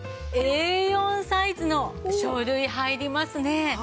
Ａ４サイズの書類入りますね。